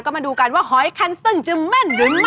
ก็มาดูกันว่าหอยคันเซิลจะมั่นหรือไม่มั่น